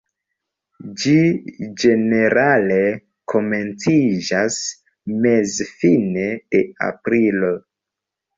Ĝi ĝenerale komenciĝas meze-fine de aprilo.